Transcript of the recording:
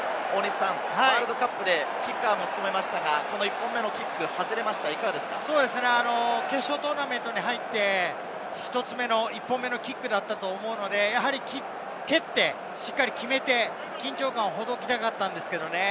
ワールドカップでキッカーも務めましたが、１本目のキック外れま決勝トーナメントに入って１つ目のキックだったと思うので、蹴って、しっかり決めて、緊張感をほどきたかったんですけれどね。